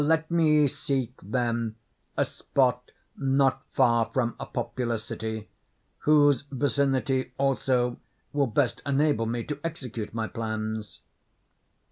Let me seek, then, a spot not far from a populous city—whose vicinity, also, will best enable me to execute my plans."